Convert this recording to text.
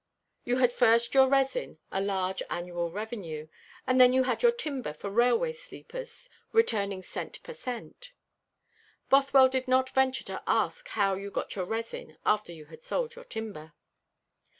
You had first your resin, a large annual revenue, and then you had your timber for railway sleepers, returning cent per cent. Bothwell did not venture to ask how you got your resin after you had sold your timber.